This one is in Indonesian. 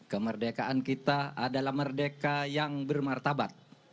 kemerdekaan kita adalah merdeka yang bermartabat